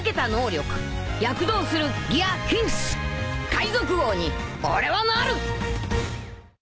海賊王に俺はなる！